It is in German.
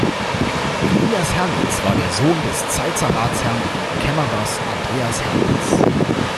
Elias Herlitz war der Sohn des Zeitzer Ratsherrn und Kämmerers Andreas Herlitz.